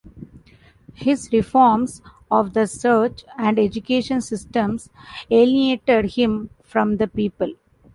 His reforms of the church and education systems alienated him from the people.